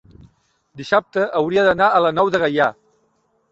dissabte hauria d'anar a la Nou de Gaià.